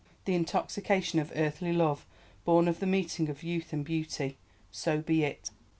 The intoxication of earthly love born of the meeting of youth and beauty. So be it!